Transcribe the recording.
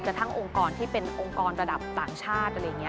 กระทั่งองค์กรที่เป็นองค์กรระดับต่างชาติ